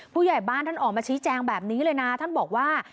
ผู้ใหญ่บ้านท่านออกมาชี้แจงแบบนี้เลยนะท่านบอกว่า